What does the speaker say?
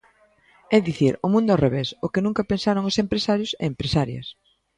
É dicir, o mundo ao revés, o que nunca pensaron os empresarios e empresarias.